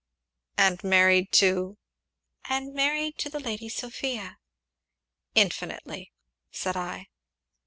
"And married to " "And married to the Lady Sophia?" "Infinitely!" said I.